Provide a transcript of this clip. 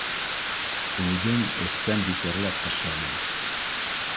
Үҙен эстән битәрләп ташланы